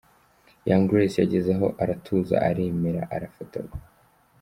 Young Grace yageze aho aratuza aremera arafotorwa.